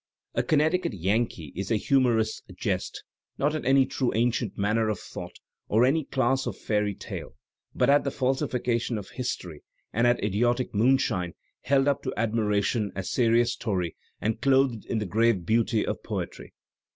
"A Connecticut Yankee" is a humourist's jest, not at any true ancient manner of thought or at any class of fairy tale, but at the falsification of history and at idiotic moon shine held up to admiration as serious story and clothed in the grave beauty of poetry.